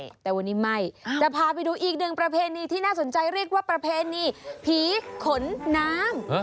ใช่แต่วันนี้ไม่จะพาไปดูอีกหนึ่งประเพณีที่น่าสนใจเรียกว่าประเพณีผีขนน้ำ